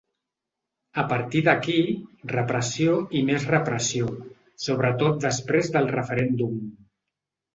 A partir d’aquí, repressió i més repressió, sobretot després del referèndum.